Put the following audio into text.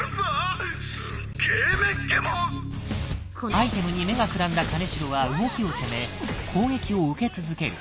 アイテムに目がくらんだ金城は動きを止め攻撃を受け続ける。